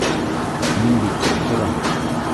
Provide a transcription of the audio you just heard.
Мин бит тик торам!